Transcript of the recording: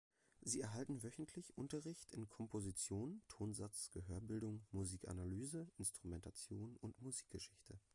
Sie erhalten wöchentlich Unterricht in Komposition, Tonsatz, Gehörbildung, Musikanalyse, Instrumentation und Musikgeschichte.